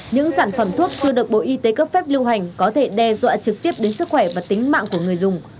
những sản phẩm thuốc chưa được bộ y tế cấp phép lưu hành có thể đe dọa trực tiếp đến sức khỏe và tính mạng của người dùng